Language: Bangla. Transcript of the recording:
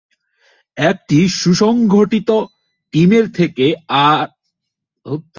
একটা সুসংগঠিত টিমের থেকে ভালো আর কী হতে পারে।